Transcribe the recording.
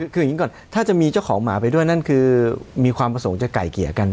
คืออย่างนี้ก่อนถ้าจะมีเจ้าของหมาไปด้วยนั่นคือมีความประสงค์จะไก่เกลี่ยกัน